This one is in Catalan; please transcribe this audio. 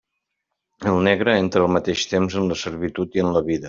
El negre entra al mateix temps en la servitud i en la vida.